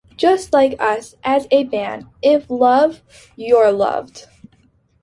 Just like us, as a band, if loved - you're loved.